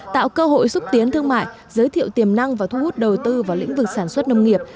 tạo cơ hội xúc tiến thương mại giới thiệu tiềm năng và thu hút đầu tư vào lĩnh vực sản xuất nông nghiệp